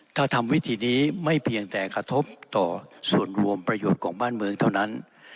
ถ้าทำวิธีนี้ไม่เพียงแต่กระทบต่อส่วนรวมประโยชน์ของบ้านเมืองเท่านั้น